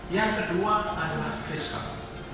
yang kedua adalah fiskal